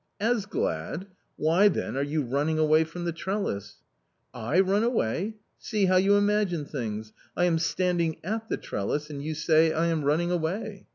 "As glad! why, then, are you running away from the trellis?" " I run away ! see how you imagine things ; I am standing at the trellis, and you say — I am running away."